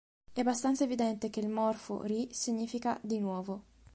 È abbastanza evidente che il morfo "ri-" significa {di nuovo}.